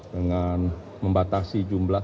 dengan membatasi jumlah